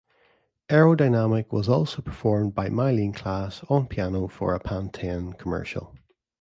"Aerodynamic" was also performed by Myleene Klass on piano for a Pantene commercial.